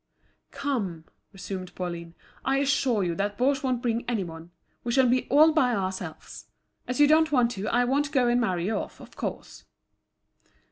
"Come," resumed Pauline, "I assure you that Baugé won't bring any one. We shall be all by ourselves. As you don't want to, I won't go and marry you off, of course."